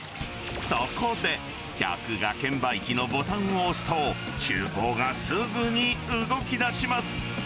そこで、客が券売機のボタンを押すと、ちゅう房がすぐに動きだします。